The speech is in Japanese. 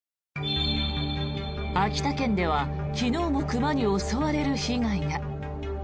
秋田県では昨日も熊に襲われる被害が。